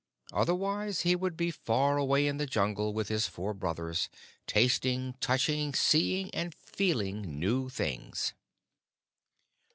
Otherwise, he would be far away in the Jungle with his four brothers, tasting, touching, seeing, and feeling new things.